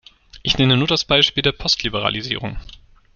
Ich nenne nur das Beispiel der Postliberalisierung.